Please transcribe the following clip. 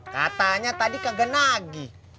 katanya tadi kagak nagih